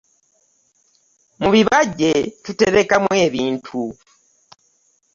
Mu bibajje tuterekamu ebintu.